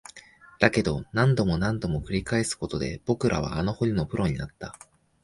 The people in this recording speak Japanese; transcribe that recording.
だけど、何度も何度も繰り返すことで、僕らは穴掘りのプロになった